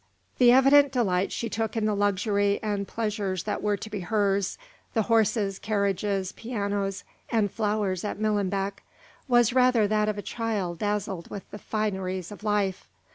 The evident delight she took in the luxury and pleasures that were to be hers the horses, carriages, pianos, and flowers at Millenbeck was rather that of a child dazzled with the fineries of life.